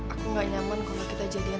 aku gak nyaman kalau kita jadian